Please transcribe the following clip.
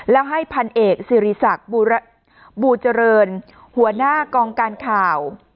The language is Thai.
แล้วให้พันเอกสิริศักดิ์บูเจริญหัวหน้ากองการข่าว